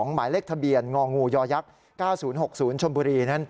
หมายเลขทะเบียนงงยย๙๐๖๐ชนพุรี